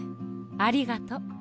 ありがとう。